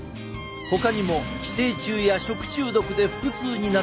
ほかにも「寄生虫や食中毒で腹痛になった」